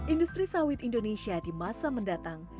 industri sawit indonesia di masa mendatang